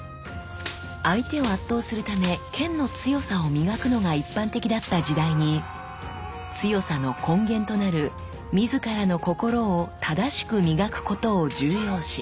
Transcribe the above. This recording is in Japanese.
相手を圧倒するため剣の強さを磨くのが一般的だった時代に強さの根源となる自らの心を正し磨くことを重要視。